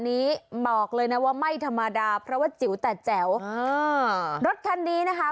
นี้บอกเลยนะว่าไม่ธรรมดาเพราะว่าจิ๋วแต่แจ๋วเออรถคันนี้นะคะ